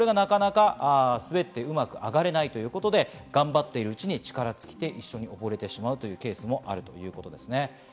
滑ってうまく上がれないということで頑張っているうちに力尽きて一緒におぼれるケースもあるということです。